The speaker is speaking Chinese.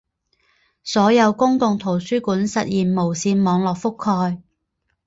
所有公共图书馆实现无线网络覆盖。